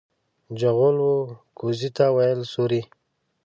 چغول و کوزې ته ويل سورۍ.